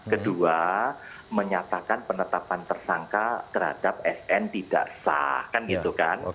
kedua menyatakan penetapan tersangka terhadap sn tidak sah kan gitu kan